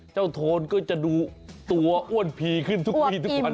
โทนก็จะดูตัวอ้วนพีขึ้นทุกวีทุกวัน